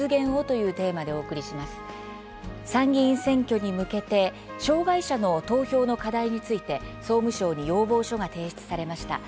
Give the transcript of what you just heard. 参議院選挙に向けて障害者の投票の課題について総務省に要望書が提出されました。